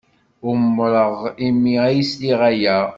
Umreɣ imi ay sliɣ aya.